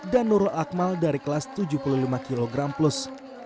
dan nurul akmal dari kelas tujuh puluh lima kg plus